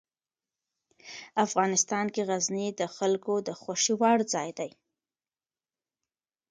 افغانستان کې غزني د خلکو د خوښې وړ ځای دی.